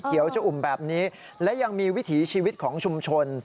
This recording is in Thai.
จะอุ่มแบบนี้และยังมีวิถีชีวิตของชุมชน